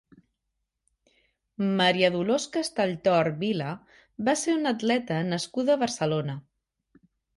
Maria Dolors Castelltort Vila va ser una atleta nascuda a Barcelona.